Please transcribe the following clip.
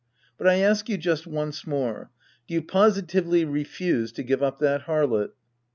But I ask you just once more. Do you positively refuse to give up that harlot